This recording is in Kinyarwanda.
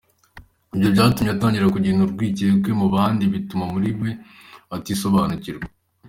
Ibyo byatumye atangira kugira urwikekwe mu bandi bituma muri we atisobanukirwa.